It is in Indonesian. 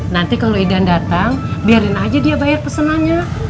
nanti kalau idan datang biarin aja dia bayar pesanannya